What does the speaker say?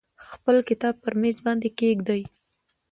خپل کتاب پر میز باندې کیږدئ.